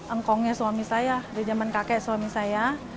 angkongnya suami saya dari zaman kakek suami saya